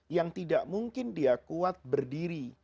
yang tidak mungkin dia kuat berdiri